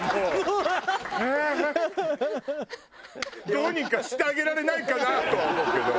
どうにかしてあげられないかなとは思うけど。